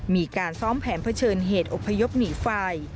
มีการซ้อมแผนเผชิญเหตุอบพยพหนีไฟ